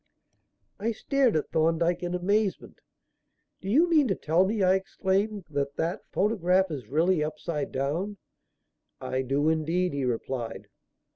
I stared at Thorndyke in amazement. "Do you mean to tell me," I exclaimed, "that that photograph is really upside down?" "I do indeed," he replied.